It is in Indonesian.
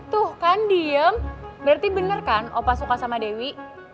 tuh kan diem berarti bener kan opa suka sama dewi